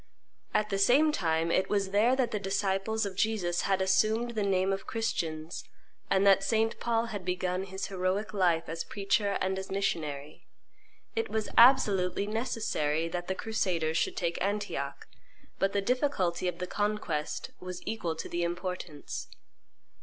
At the same time, it was there that the disciples of Jesus had assumed the name of Christians, and that St. Paul had begun his heroic life as preacher and as missionary. It was absolutely necessary that the crusaders should take Antioch; but the difficulty of the conquest was equal to the importance.